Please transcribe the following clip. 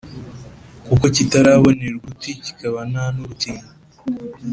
kuko kitarabonerwa umuti kikaba nta nurukingo